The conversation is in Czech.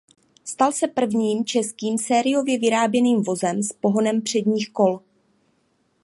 Stal se prvním českým sériově vyráběným vozem s pohonem předních kol.